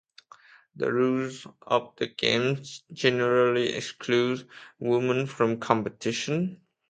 The rules of the Games generally excluded women from competition.